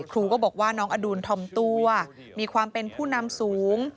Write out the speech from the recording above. ครูก็บอกว่าน้องอดุลทอมตัวมีความเป็นผู้นำสูง